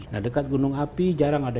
nah dekat gunung api jarang ada